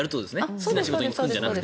好きな仕事に就くんじゃなくて。